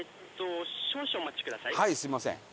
はいすみません。